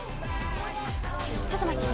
ちょっと待ってて。